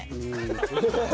ハハハ。